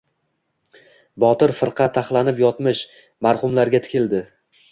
Botir firqa taxlanib yotmish marhumlarga tikildi...